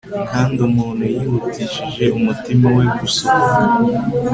kandi umuntu yihutishije umutima we gusohoka